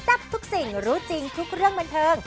ทับทุกสิ่งรู้จริงทุกเรื่องบันเทิง